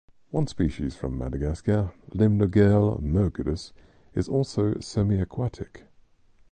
One species from Madagascar, "Limnogale mergulus", is also semiaquatic.